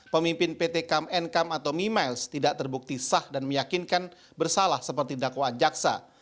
pemimpin pt kam nkam atau mimiles tidak terbukti sah dan meyakinkan bersalah seperti dakwaan jaksa